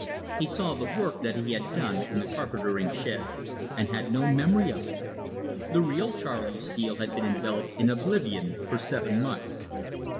He saw the work that he had done in the carpentering shed, and had no memory of it. The real Charley Steele had been enveloped in oblivion for seven months.